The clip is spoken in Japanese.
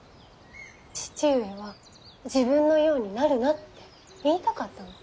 義父上は自分のようになるなって言いたかったの。